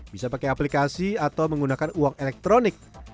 bisa pakai aplikasi atau menggunakan uang elektronik